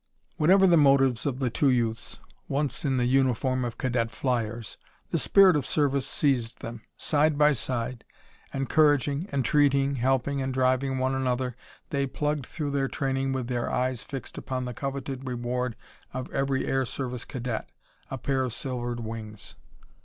Whatever the motives of the two youths, once in the uniform of cadet flyers, the spirit of service seized them. Side by side, encouraging, entreating, helping and driving one another they plugged through their training with their eyes fixed upon the coveted reward of every air service cadet a pair of silvered wings!